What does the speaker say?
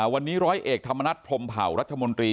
วันนี้ร้อยเอกธรรมนัฐพรมเผารัฐมนตรี